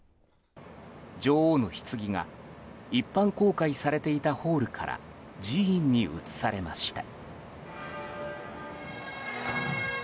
女王のひつぎが一般公開されていたホールから寺院に移されました。